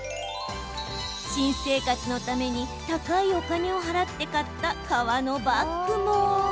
新生活のために高いお金を払って買った革のバッグも。